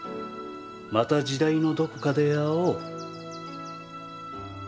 また時代のどこかで会おう。